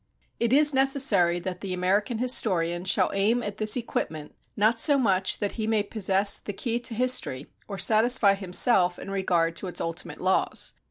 It is necessary that the American historian shall aim at this equipment, not so much that he may possess the key to history or satisfy himself in regard to its ultimate laws.